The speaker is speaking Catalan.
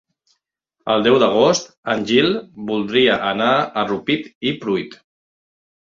El deu d'agost en Gil voldria anar a Rupit i Pruit.